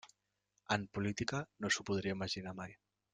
En política, no s'ho podria imaginar mai.